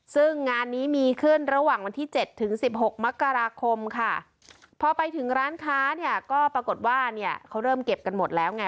ซึ่งงานนี้มีขึ้นระหว่างวันที่เจ็ดถึงสิบหกมกราคมค่ะพอไปถึงร้านค้าเนี่ยก็ปรากฏว่าเนี่ยเขาเริ่มเก็บกันหมดแล้วไง